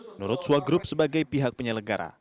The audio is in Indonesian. menurut sua group sebagai pihak penyelenggara